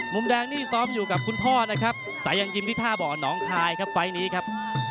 มุมแดงนี่ซ้อมอยู่กับคุณพ่อนะครับสายันยิ้มที่ท่าบ่อน้องคายครับไฟล์นี้ครับ